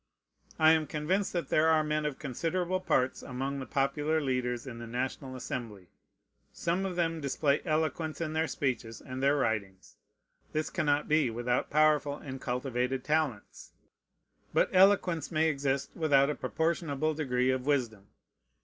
I am convinced that there are men of considerable parts among the popular leaders in the National Assembly. Some of them display eloquence in their speeches and their writings. This cannot be without powerful and cultivated talents. But eloquence may exist without a proportionable degree of wisdom.